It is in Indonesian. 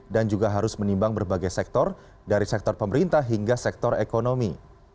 dan juga harus menimbang berbagai sektor dari sektor pemerintah hingga sektor ekonomi